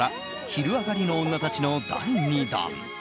「昼上がりのオンナたち」の第２弾。